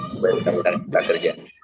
sehingga kita bisa bekerja